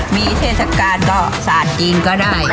มีเทศกาลก็สานจริงก็ได้